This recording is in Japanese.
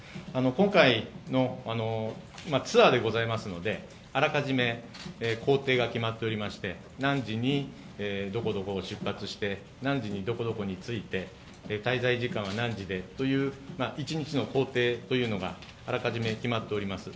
今回、ツアーでございますので、あらかじめ行程が決まっていまして何時にどこどこを出発して何時にどこどこに着いて滞在時間は何時でという、一日の行程があらかじめ決まっております。